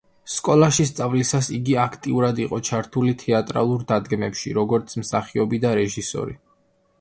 სკოლაში სწავლისას იგი აქტიურად იყო ჩართული თეატრალურ დადგმებში, როგორც მსახიობი და რეჟისორი.